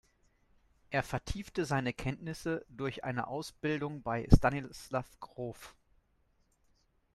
Er vertiefte seine Kenntnisse durch eine Ausbildung bei Stanislav Grof.